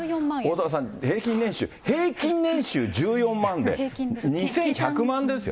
おおたわさん、平均年収、平均年収１４万で、２１００万ですよ。